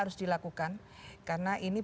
harus dilakukan karena ini